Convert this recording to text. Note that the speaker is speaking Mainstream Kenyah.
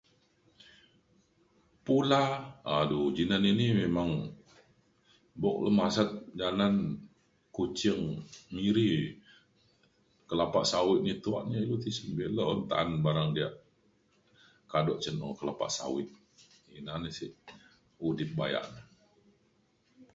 pula adu ji nan ini memang buk lu masat janan Kuching Miri kelapa sawit nyi tuak nyi ilu tisen bek lok ta’an barang diak kado cin kelapa sawit ina na sik udip bayak na